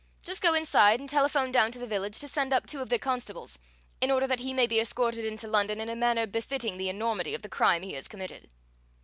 Just go inside and telephone down to the village to send up two of their constables, in order that he may be escorted into London in a manner befitting the enormity of the crime he has committed."